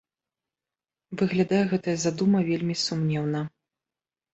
Выглядае гэтая задума вельмі сумнеўна.